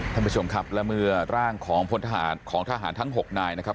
ท่านผู้ชมครับละเมือร่างของทหารทั้งหกนายนะครับ